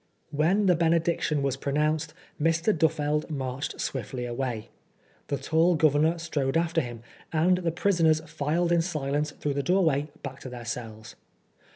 When the benediction was pronounced, Mr. Duffeld marched swiftly away ; the tall Governor strode after him, and the prisoners filed in silence through the doorway back to their cells.